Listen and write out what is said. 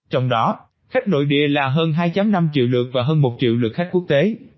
trong đó khách nội địa là hơn hai năm triệu lượt và hơn một triệu lượt khách quốc tế